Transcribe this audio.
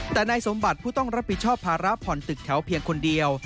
แต่นายสมบัติผู้ต้องรับผิดชอบภาระผ่อนตึกแถวเพียงคนเดียว